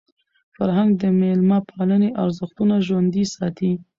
فرهنګ د میلمه پالني ارزښتونه ژوندۍ ساتي.